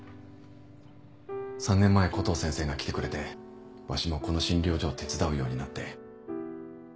三年前コトー先生が来てくれてわしもこの診療所を手伝うようになって。